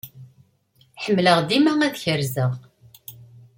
Ḥemmleɣ dima ad k-ẓreɣ.